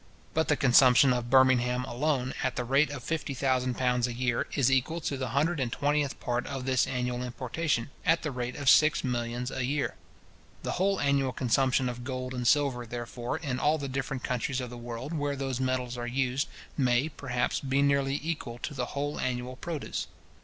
But the consumption of Birmingham alone, at the rate of fifty thousand pounds a year, is equal to the hundred and twentieth part of this annual importation, at the rate of six millions a year. The whole annual consumption of gold and silver, therefore, in all the different countries of the world where those metals are used, may, perhaps, be nearly equal to the whole annual produce.